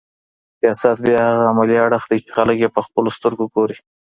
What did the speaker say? سیاست بیا هغه عملي اړخ دی چې خلک یې په خپلو سترګو ګوري.